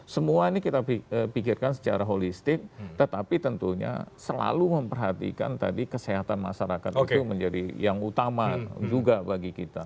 semua ini kita pikirkan secara holistik tetapi tentunya selalu memperhatikan tadi kesehatan masyarakat itu menjadi yang utama juga bagi kita